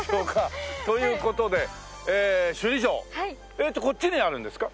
えっとこっちにあるんですか？